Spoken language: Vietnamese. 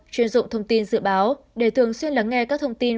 chuyên dụng thông tin dự báo để thường xuyên lắng nghe các thông tin